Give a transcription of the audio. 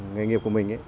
nghề nghiệp của mình